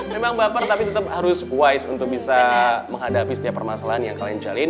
memang baper tapi tetap harus wise untuk bisa menghadapi setiap permasalahan yang kalian jalin